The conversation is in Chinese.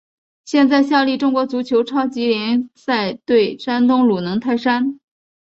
现在效力中国足球超级联赛球队山东鲁能泰山。